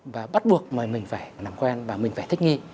và bắt buộc mời mình phải làm quen và mình phải thích nghi